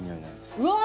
うわ！